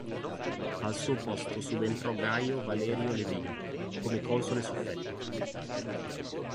Al suo posto subentrò Gaio Valerio Levino, come console suffetto.